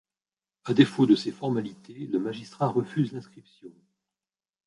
À défaut de ces formalités, le magistrat refuse l’inscription.